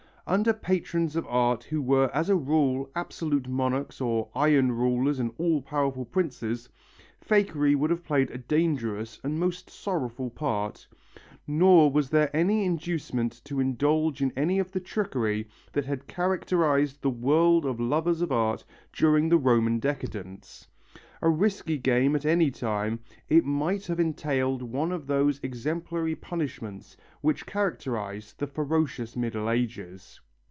Under patrons of art who were as a rule absolute monarchs or iron rulers and all powerful princes, fakery would have played a dangerous and most sorrowful part, nor was there any inducement to indulge in any of the trickery that had characterized the world of lovers of art during the Roman decadence. A risky game at any time, it might have entailed one of those exemplary punishments which characterized the ferocious Middle Ages.